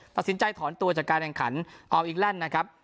ตัดสินใจถอนตัวจากการแข่งขันอัลอิงแลนด์นะครับ